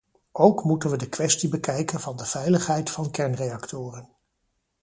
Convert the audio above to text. Ook moeten we de kwestie bekijken van de veiligheid van kernreactoren.